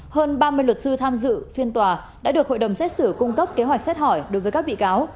hơn ba mươi luật sư tham dự phiên tòa đã được hội đồng xét xử cung cấp kế hoạch xét hỏi đối với các bị cáo